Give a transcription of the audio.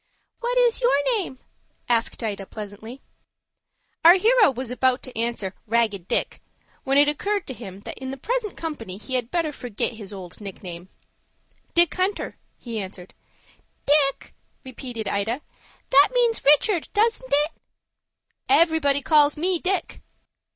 "What is your name?" asked Ida, pleasantly. Our hero was about to answer "Ragged Dick," when it occurred to him that in the present company he had better forget his old nickname. "Dick Hunter," he answered. "Dick!" repeated Ida. "That means Richard, doesn't it?" "Everybody calls me Dick."